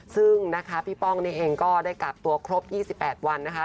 ซึ่งนะคะพี่ป้องนี่เองก็ได้กักตัวครบ๒๘วันนะคะ